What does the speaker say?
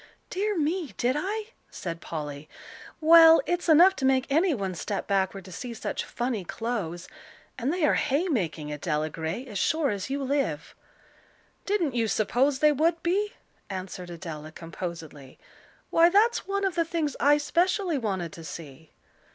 "Dear me, did I?" said Polly. "Well, it's enough to make any one step backward to see such funny clothes; and they are hay making, Adela Gray, as sure as you live." "Didn't you suppose they would be?" answered Adela, composedly. "Why, that's one of the things I specially wanted to see."